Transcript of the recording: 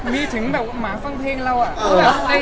มีถึงแบบหมาฟังเพลงเราอะ